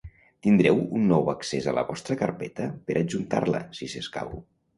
Tindreu un nou accés a la vostra carpeta per adjuntar-la, si s'escau.